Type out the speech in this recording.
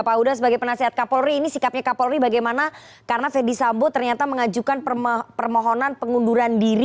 pak huda sebagai penasihat kapolri ini sikapnya kapolri bagaimana karena fendi sambo ternyata mengajukan permohonan pengunduran diri